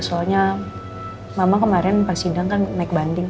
soalnya mama kemarin pas sidang kan naik banding